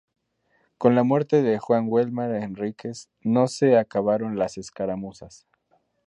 Con la muerte de Juan Waldemar Henríquez, no se acabaron las escaramuzas.